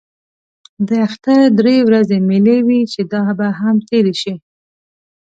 د اختر درې ورځې مېلې وې چې دا به هم تېرې شي.